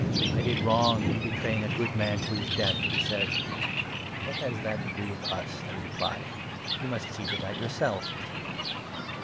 " I did wrong in betraying a good man to his death," he 4 said. " What has that to do with us ?" they replied. " You must see to that yourself."